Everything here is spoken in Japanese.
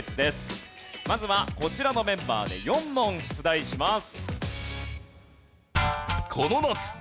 まずはこちらのメンバーで４問出題します。